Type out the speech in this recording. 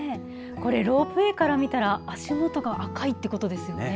このロープウエーから見たら足元が赤いってことですよね。